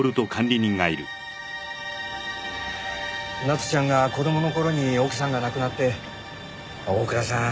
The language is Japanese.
奈津ちゃんが子供の頃に奥さんが亡くなって大倉さん